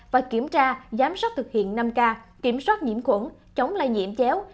và kiểm tra giám sát thực hiện năm k kiểm soát nhiễm khuẩn chống lây nhiễm chéo